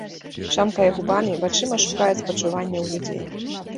Шамкае губамі, вачыма шукае спачування ў людзей.